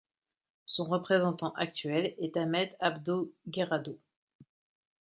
Son représentant actuel est Ahmed Abdo Gerado.